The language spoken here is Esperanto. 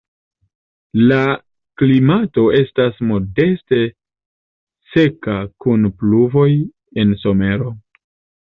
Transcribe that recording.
La klimato estas modeste seka kun pluvoj en somero.